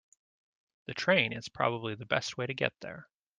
The train is probably the best way to get there.